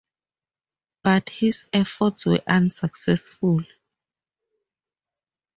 But his efforts were unsuccessful.